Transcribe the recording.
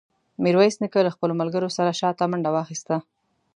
میرویس نیکه له خپلو ملګرو سره شاته منډه واخیسته.